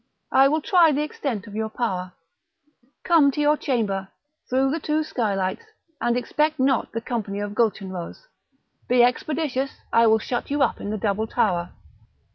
I will try the extent of your power; come, to your chamber! through the two skylights; and expect not the company of Gulchenrouz; be expeditious! I will shut you up in the double tower."